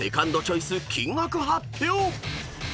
チョイス金額発表］